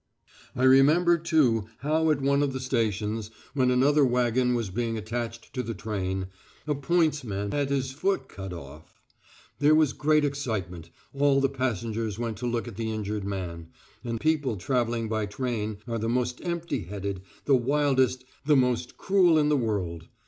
I remember, too, how at one of the stations when another waggon was being attached to the train, a pointsman had his foot cut off. There was great excitement, all the passengers went to look at the injured man and people travelling by train are the most empty headed, the wildest, the most cruel in the world.